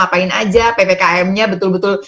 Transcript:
ppkm nya betul betul